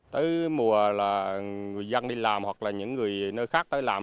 tới mùa là người dân đi làm hoặc là những người nơi khác tới làm